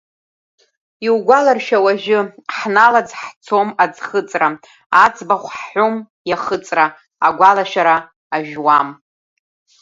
Иугәаларшәа уажәы, ҳналаӡ ҳцом аӡхыҵра, аӡбахә ҳҳәом иахыҵра, агәалашәара ажәуам.